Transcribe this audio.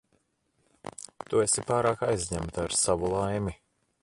Tu esi pārāk aizņemta ar savu laimi.